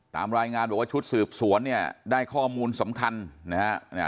ตามรายงานบอกว่าชุดสืบสวนเนี่ยได้ข้อมูลสำคัญนะฮะ